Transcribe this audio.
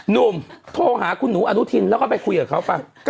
หนุ่มโทรหาคุณหนูอนุทินแล้วก็ไปคุยกับเขาป่ะ